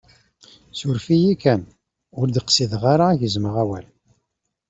Suref-iyi kan, ur d-qsideɣ ara k-gezmeɣ awal.